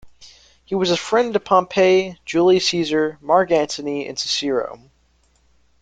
He was a friend to Pompey, Julius Caesar, Mark Antony and Cicero.